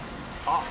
あっ！